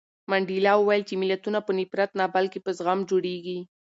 منډېلا وویل چې ملتونه په نفرت نه بلکې په زغم جوړېږي.